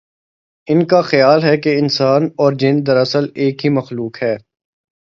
ان کا خیال ہے کہ انسان اور جن دراصل ایک ہی مخلوق ہے۔